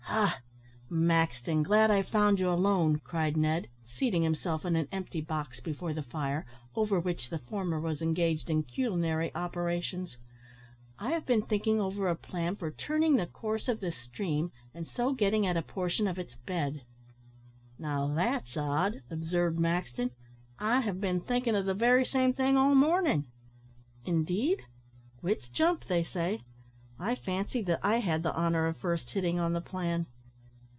"Ha! Maxton, glad I've found you alone," cried Ned, seating himself on an empty box before the fire, over which the former was engaged in culinary operations. "I have been thinking over a plan for turning the course of the stream, and so getting at a portion of its bed." "Now that's odd," observed Maxton, "I have been thinking of the very same thing all morning." "Indeed! wits jump, they say. I fancied that I had the honour of first hitting on the plan."